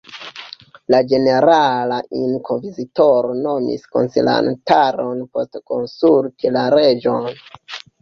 La Ĝenerala Inkvizitoro nomis konsilantaron post konsulti la reĝon.